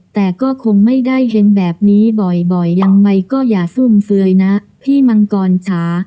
แต่ก็คงไม่ได้เห็นแบบนี้บ่อยยังไงก็อย่าฟุ่มเฟือยนะพี่มังกรจ๋า